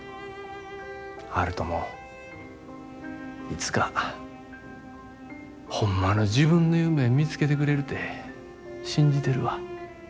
悠人もいつかホンマの自分の夢見つけてくれるて信じてるわ。